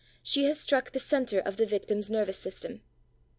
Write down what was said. She has struck the center of the victim's nervous system.